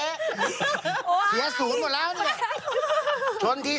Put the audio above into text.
เสียศูนย์หมดแล้วเนี่ยชนที